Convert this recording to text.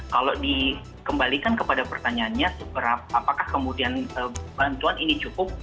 kalau dikembalikan kepada pertanyaannya apakah kemudian bantuan ini cukup